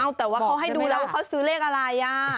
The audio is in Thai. เอาแต่ว่าเขาให้ดูแล้วว่าเขาซื้อเลขอะไร